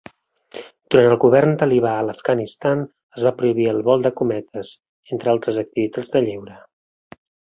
Durant el govern talibà a l'Afganistan, es va prohibir el vol de cometes, enter altres activitats de lleure.